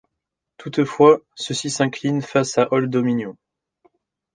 Toutefois, ceux-ci s'inclinent face à Old Dominion.